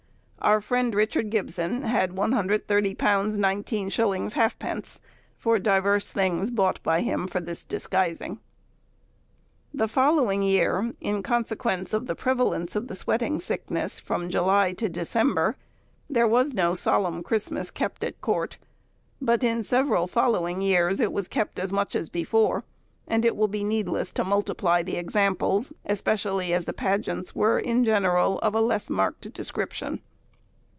Our friend Richard Gybson had £130 19_s._ 0½_d._ for divers things bought by him for this disguising. In the following year, in consequence of the prevalence of the sweating sickness from July to December, there was no solemn Christmas kept at Court; but in several following years it was kept much as before, and it will be needless to multiply examples, especially as the pageants were in general of a less marked description.